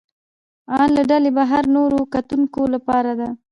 ان له ډلې بهر نورو کتونکو لپاره ده.